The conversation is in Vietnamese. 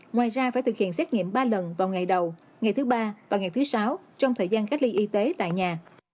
ngoài ra phải thực hiện xét nghiệm ba lần vào ngày đầu ngày thứ ba và ngày thứ sáu trong thời gian cách ly y tế tại nhà